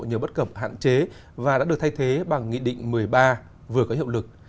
hạn chế và đã được thay thế bằng nghị định một mươi ba vừa có hiệu lực